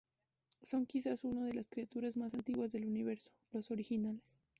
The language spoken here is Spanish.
Son quizás una la de las criaturas más antiguas del Universo, los originales.